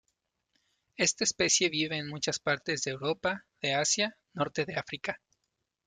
Esta especie vive en muchas partes de Europa, de Asia, norte de África.